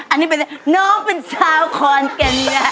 อันนี้เป็นน้องเป็นชาวขอนแก่นยา